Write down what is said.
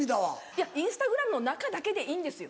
いやインスタグラムの中だけでいいんですよ。